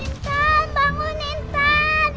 intan bangun intan